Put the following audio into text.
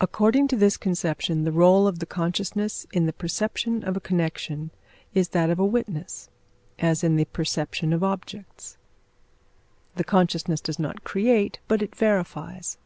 According to this conception, the rôle of the consciousness in the perception of a connection is that of a witness, as in the perception of objects. The consciousness does not create, but it verifies.